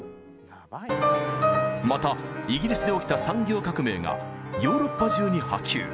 またイギリスで起きた産業革命がヨーロッパ中に波及。